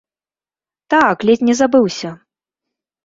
Так, ледзь не забыўся.